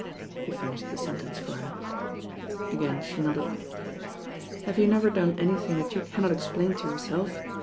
he finished the sentence for her. Again she nodded. "Have you never done anything that you cannot explain to yourself?"